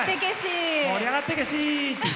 盛り上がってけし！